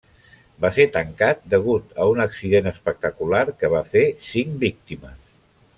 Va ser tancat degut a un accident espectacular que va fer cinc víctimes.